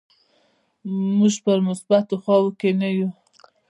موږ په مثبتو خواو کې نه یو.